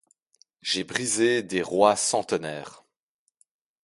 J'ai brisé des rois centenaires